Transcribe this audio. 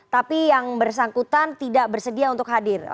tapi yang bersangkutan tidak bersedia untuk hadir